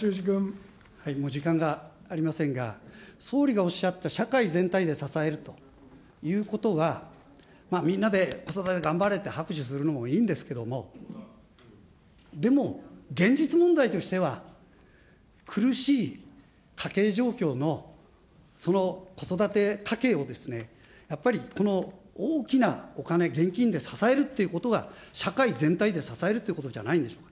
もう時間がありませんが、総理がおっしゃった社会全体で支えるということは、みんなで子育て頑張れって、拍手するのもいいんですけれども、でも、現実問題としては、苦しい家計状況のその子育て家計を、やっぱりこの大きなお金、現金で支えるということが、社会全体で支えるってことじゃないんですか。